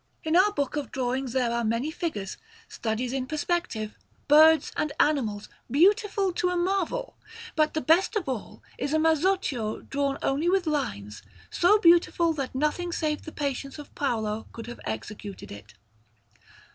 In our book of drawings there are many figures, studies in perspective, birds, and animals, beautiful to a marvel, but the best of all is a mazzocchio drawn only with lines, so beautiful that nothing save the patience of Paolo could have executed it.